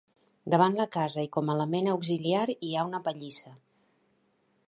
Davant la casa i com a element auxiliar hi ha una pallissa.